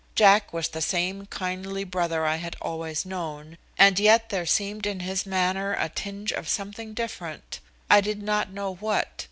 Jack was the same kindly brother I had always known, and yet there seemed in his manner a tinge of something different. I did not know what.